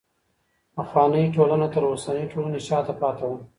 پخوانۍ ټولنه تر اوسنۍ ټولني شاته پاته وه.